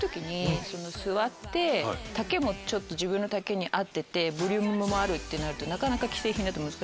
座って丈も自分の丈に合っててボリュームもあるってなるとなかなか。